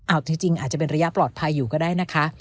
เอาจริงอาจจะเป็นระยะปลอดภัยอยู่ก็ได้นะคะ